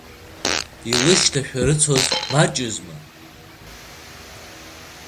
Илышьҭашәарыцоз маҷызма?